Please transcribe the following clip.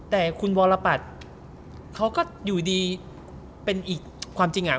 แต่คุณวรปัตย์เขาก็อยู่ดีเป็นอีกความจริงอ่ะ